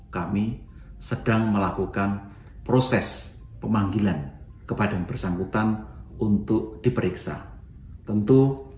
kami sedang melakukan proses pemanggilan kepada yang bersangkutan untuk diperiksa tentu